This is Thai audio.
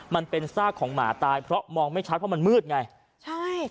มันเป็นซากของหมาตายเพราะมองไม่ชัดเพราะมันมืดไงใช่